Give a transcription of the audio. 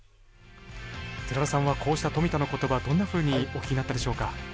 寺田さんはこうした富田の言葉どんなふうにお聞きになったでしょうか。